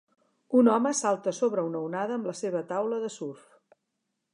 Un home salta sobre una onada amb la seva taula de surf.